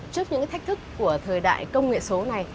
trước những thách thức của thời đại công nghệ số này